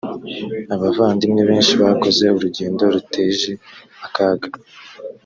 abavandimwe benshi bakoze urugendo ruteje akaga .